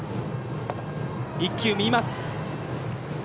１球、見ます。